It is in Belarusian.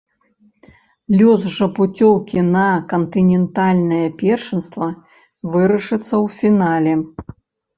Лёс жа пуцёўкі на кантынентальнае першынства вырашыцца ў фінале.